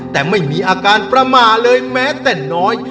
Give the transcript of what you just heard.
แต่ไม่มีอาการประมาทเลยแม้แต่น้อย